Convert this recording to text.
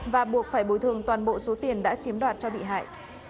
và buộc phải bồi thường toàn bộ số tiền đã chiếm đoạt cho bị hại